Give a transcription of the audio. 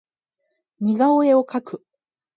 似顔絵を描く